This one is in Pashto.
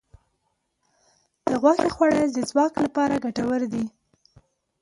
د غوښې خوړل د ځواک لپاره ګټور دي.